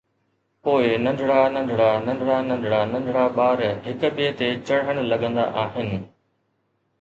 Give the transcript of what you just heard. پوءِ ننڍڙا ننڍڙا ننڍڙا ننڍڙا ننڍڙا ٻار هڪ ٻئي تي چڙهڻ لڳندا آهن.